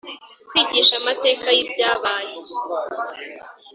Kwigisha amateka y ibyabaye